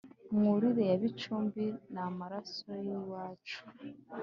Mwurire ya Bicumbi Ni amaraso y’iwacu;